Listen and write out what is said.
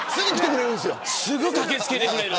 すぐ駆け付けてくれる。